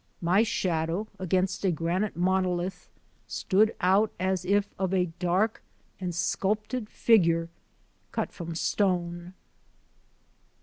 My shadow against a granite monolith stood out as if of a dark and sculptured figure cut from stone.